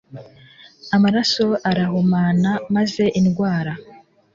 Amaraso arahumana, maze indwara